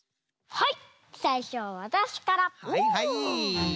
はい。